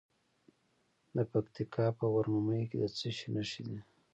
د پکتیکا په ورممی کې د څه شي نښې دي؟